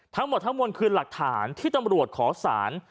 ทั้งหมดทั้งมวลคือหลักฐานที่ตำรวจขอสาร